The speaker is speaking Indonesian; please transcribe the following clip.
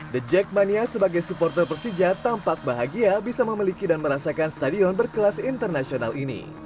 the jackmania sebagai supporter persija tampak bahagia bisa memiliki dan merasakan stadion berkelas internasional ini